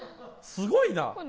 すごいな。